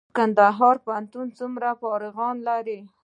کندهار پوهنتون څومره فارغان لري؟